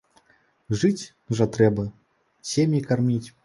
Жыць жа трэба, сем'і карміць!